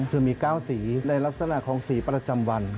คือมี๙สีในลักษณะของสีประจำวัน